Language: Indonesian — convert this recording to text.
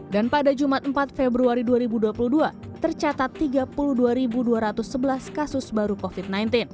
dan pada jumat empat februari dua ribu dua puluh dua tercatat tiga puluh dua dua ratus sebelas kasus baru covid sembilan belas